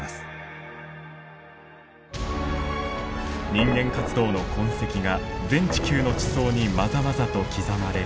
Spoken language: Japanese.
人間活動の痕跡が全地球の地層にまざまざと刻まれるこの時代。